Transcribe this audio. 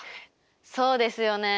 そうですよね。